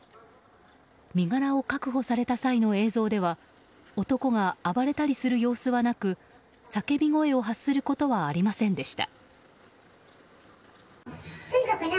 身柄を確保された際の映像では男が暴れたりする様子はなく叫び声を発することはありませんでした。